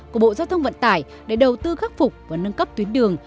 của bộ giao thông vận tải để đầu tư khắc phục và nâng cấp tuyến đường